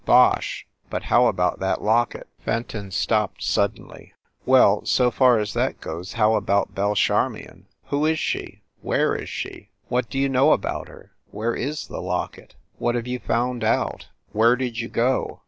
"Bosh! But how about that locket?" Fenton stopped suddenly. "Well, so far as that goes, how about Belle Charmion? Who is she? Where is she? What do you know about her? Where is the locket? What have you found out? Where did you go?